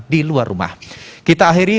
di luar rumah kita akhiri